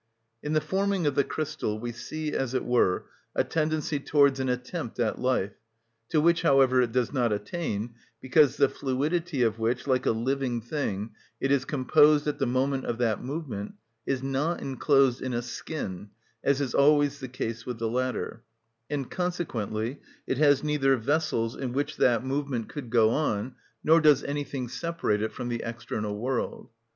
In the forming of the crystal we see, as it were, a tendency towards an attempt at life, to which, however, it does not attain, because the fluidity of which, like a living thing, it is composed at the moment of that movement is not enclosed in a skin, as is always the case with the latter, and consequently it has neither vessels in which that movement could go on, nor does anything separate it from the external world.